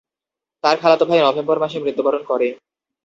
তার খালাতো ভাই নভেম্বর মাসে মৃত্যুবরণ করে।